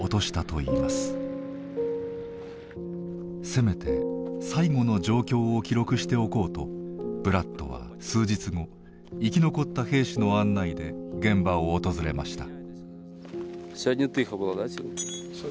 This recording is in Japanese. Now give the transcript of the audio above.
せめて最期の状況を記録しておこうとブラッドは数日後生き残った兵士の案内で現場を訪れました。